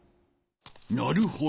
なるほど。